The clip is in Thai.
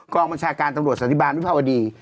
กองบัญชาการตำรวจสันติบาลวิภาวดี